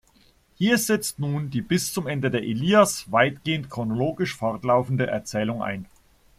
Hier setzt nun die bis zum Ende der "Ilias" weitgehend chronologisch fortlaufende Erzählung ein.